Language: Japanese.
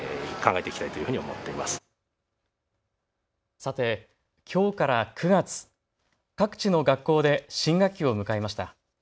さて、きょうから９月、各地の学校で新学期を迎えました。